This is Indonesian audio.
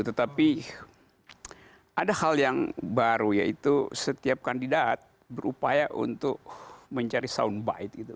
tetapi ada hal yang baru yaitu setiap kandidat berupaya untuk mencari soundbite gitu